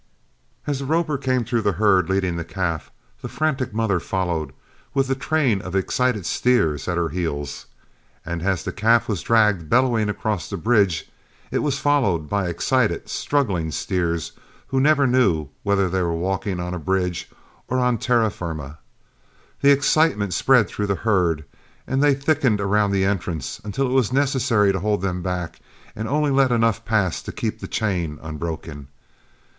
As the roper came through the herd leading the calf, the frantic mother followed, with a train of excited steers at her heels. And as the calf was dragged bellowing across the bridge, it was followed by excited, struggling steers who never knew whether they were walking on a bridge or on terra firma. The excitement spread through the herd, and they thickened around the entrance until it was necessary to hold them back, and only let enough pass to keep the chain unbroken.